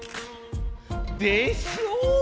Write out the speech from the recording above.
でしょう？